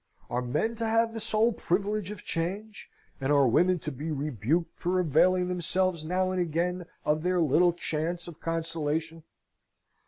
Are men to have the sole privilege of change, and are women to be rebuked for availing themselves now and again of their little chance of consolation?